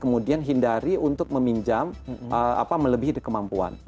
kemudian hindari untuk meminjam apa melebihi kemampuan